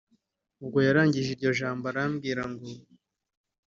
ubwo yarangije iryo jambo arambwira ngo